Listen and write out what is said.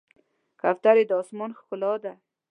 کوترې د آسمان ښکلا ده.